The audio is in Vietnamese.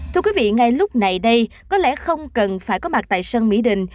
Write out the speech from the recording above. thưa quý vị ngay lúc này đây có lẽ không cần phải có mặt tại sân mỹ đình